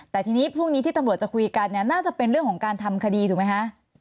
แต่ทีนี้พรุ่งนี้ที่ตำรวจจะคุยกันเนี่ยน่าจะเป็นเรื่องของการทำคดีถูกไหมคะ